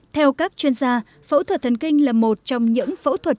theo các chuyên gia phẫu thuật thần kinh là một trong những phẫu thuật